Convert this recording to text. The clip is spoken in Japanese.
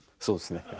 そうですね。